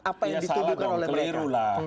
apa yang dituduhkan oleh mereka